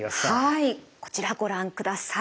はいこちらご覧ください。